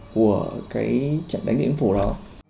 của cái trận đánh điện phủ đó